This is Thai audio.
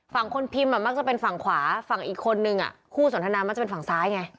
ฝั่งคนพิมพ์มักจะเป็นฝั่งขวาฝั่งอีกคนนึงคู่สนทนามักจะเป็นฝั่งซ้ายไง